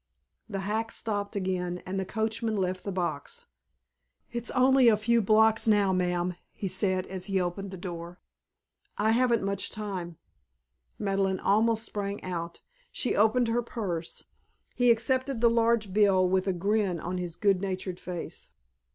The hack stopped again and the coachman left the box. "It's only a few blocks now, ma'am," he said, as he opened the door. "I haven't much time " Madeleine almost sprang out. She opened her purse. He accepted the large bill with a grin on his good natured face.